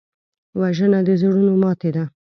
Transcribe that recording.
وژنه د زړونو ماتې ده